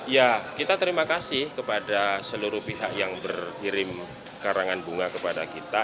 ya kita terima kasih kepada seluruh pihak yang berkirim karangan bunga kepada kita